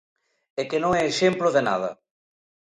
E que non é exemplo de nada.